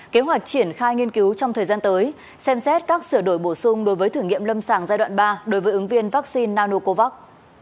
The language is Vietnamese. kế hoạch triển khai nghiên cứu trong thời gian tới xem xét các sửa đổi bổ sung đối với thử nghiệm lâm sàng giai đoạn ba đối với ứng viên vaccine nanocovax